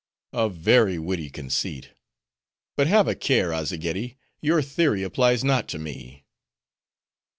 "A very witty conceit! But have a care, Azzageddi; your theory applies not to me."